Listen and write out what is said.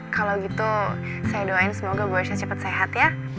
kalau gitu saya doain semoga borsha cepat sehat ya